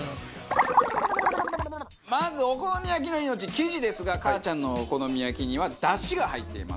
まずお好み焼きの命生地ですがかあちゃんのお好み焼きには出汁が入っています。